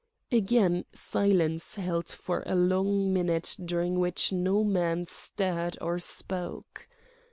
Again silence held for a long minute during which no man stirred or spoke.